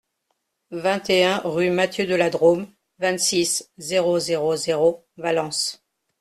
vingt et un rue Mathieu de la Drôme, vingt-six, zéro zéro zéro, Valence